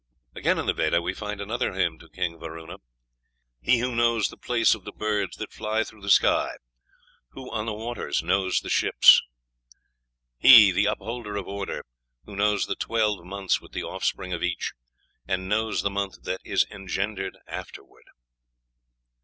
Again in the Veda we find another hymn to King Varuna: "He who knows the place of the birds that fly through the sky; who on the waters knows the ships. He, the upholder of order, who knows the twelve months with the offspring of each, and knows the month that is engendered afterward."